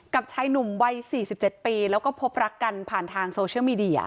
กับชายหนุ่มวัยสี่สิบเจ็ดปีแล้วก็พบรักกันผ่านทางโซเชียลมีเดีย